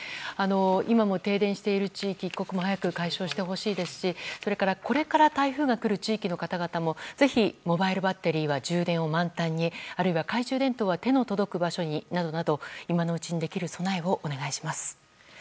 今も停電している地域一刻も早く解消してほしいですしこれから台風が来る地域の方々もぜひモバイルバッテリーは充電を満タンにあるいは懐中電灯は手の届く場所になどなど今のうちにできる備えをお願いします。